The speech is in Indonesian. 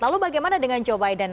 lalu bagaimana dengan joe biden